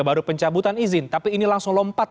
baru pencabutan izin tapi ini langsung lompat